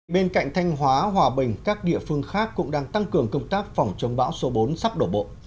bên cạnh thanh hóa hòa bình các địa phương khác cũng đang tăng cường công tác phòng chống bão số bốn sắp đổ bộ